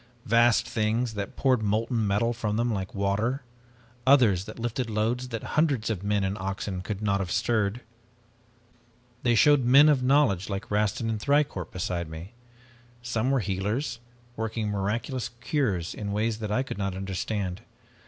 Vast things that poured molten metal from them like water. Others that lifted loads that hundreds of men and oxen could not have stirred. "They showed men of knowledge like Rastin and Thicourt beside me. Some were healers, working miraculous cures in a way that I could not understand.